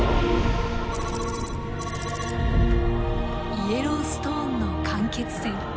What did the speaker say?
イエローストーンの間欠泉。